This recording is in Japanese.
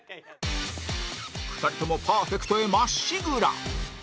２人ともパーフェクトへまっしぐら！